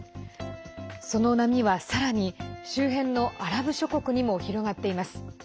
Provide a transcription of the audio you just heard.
その波はさらに周辺のアラブ諸国にも広がっています。